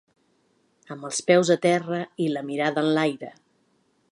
Amb els peus a terra i la mirada enlaire!